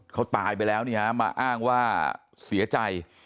เขาตายไปแล้วมาอ้างว่าเสียใจ